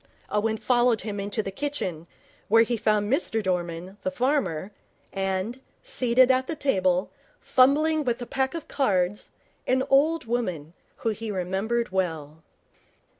Owen followed him into the kitchen, where he found Mr Dorman, the farmer, and, seated at the table, fumbling with a pack of cards, an old woman, whom he remembered well.